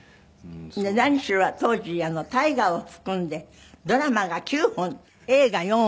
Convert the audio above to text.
何しろ当時大河を含んでドラマが９本映画４本。